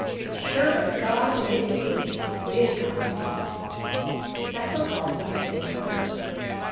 "As sure as God made little fishes, we've got him." That was all he would say, however.